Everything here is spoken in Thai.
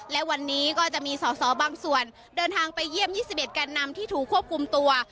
และวันนี้ก็จะมีสอสอบางส่วนเดินทางไปเยี่ยม๒๑แกนนำที่ถูกควบคุมตัว